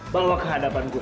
balok kehadapan gue